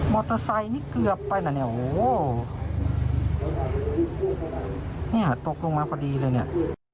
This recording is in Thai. เตอร์ไซค์นี่เกือบไปนะเนี่ยโอ้โหเนี่ยตกลงมาพอดีเลยเนี่ย